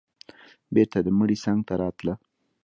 بېرته د مړي څنگ ته راتله.